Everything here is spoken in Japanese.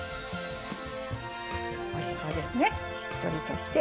おいしそうですねしっとりとして。